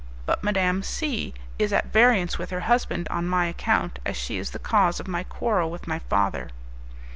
But Madame C is at variance with her husband on my account, as she is the cause of my quarrel with my father.